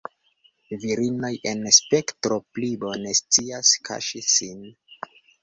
Virinoj en spektro pli bone scias kaŝi sin.